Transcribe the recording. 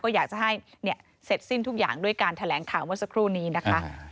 ก็อยากจะให้เสร็จสิ้นทุกอย่างด้วยการแถลงข่าวเมื่อสักครู่นี้นะคะ